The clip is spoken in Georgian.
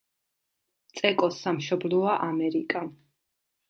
წეკოს სამშობლოა ამერიკა.